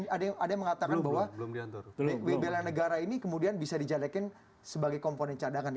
ada yang mengatakan bahwa bela negara ini kemudian bisa dijalekin sebagai komponen cadangan